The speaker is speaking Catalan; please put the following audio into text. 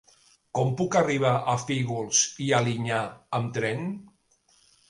Com puc arribar a Fígols i Alinyà amb tren?